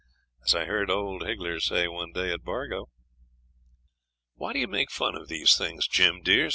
as I heard old Higgler say one day at Bargo.' 'Why do you make fun of these things, Jim, dear?'